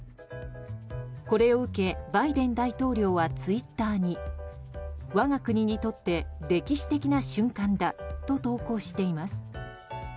これを受け、バイデン大統領はツイッターに我が国にとって歴史的な瞬間だと投稿しています。